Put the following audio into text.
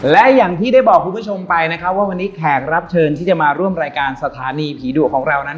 และอย่างที่ได้บอกคุณผู้ชมไปนะครับว่าวันนี้แขกรับเชิญที่จะมาร่วมรายการสถานีผีดุของเรานั้น